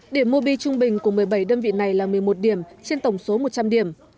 điểm mobi trung bình của một mươi bảy đơn vị này là một mươi một điểm trên tổng số một trăm linh điểm